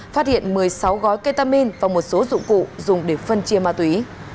phát hiện một mươi sáu gói ketamin và một số dụng cụ dùng để phân chia ma túy